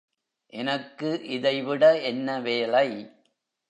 எனக்கு இதைவிட என்ன வேலை?